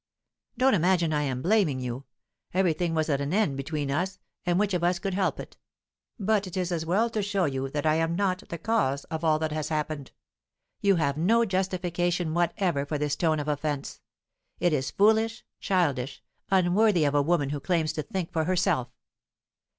Don't imagine I am blaming you. Everything was at an end between us, and which of us could help it? But it is as well to show you that I am not the cause of all that has happened. You have no justification whatever for this tone of offence. It is foolish, childish, unworthy of a woman who claims to think for herself."